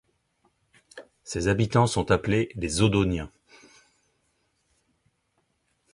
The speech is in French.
Ses habitants sont appelés les Audoniens.